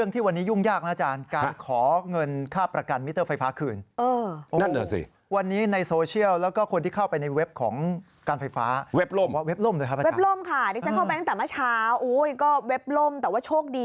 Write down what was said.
ตั้งแต่เมื่อเช้าก็เว็บล่มแต่ว่าโชคดี